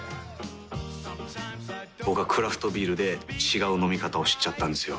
僕はクラフトビールで違う飲み方を知っちゃったんですよ。